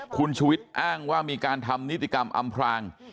คุณชุวิตอ้างว่ามีการทำนิติกรรมอำพราง